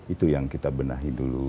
itu yang kita benahi dulu